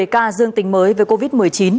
một mươi ca dương tính mới về covid một mươi chín